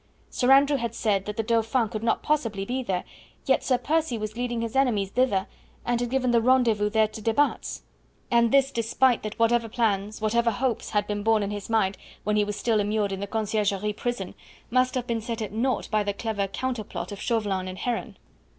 Sir Andrew had said that the Dauphin could not possibly be there, yet Percy was leading his enemies thither, and had given the rendezvous there to de Batz. And this despite that whatever plans, whatever hopes, had been born in his mind when he was still immured in the Conciergerie prison must have been set at naught by the clever counter plot of Chauvelin and Heron.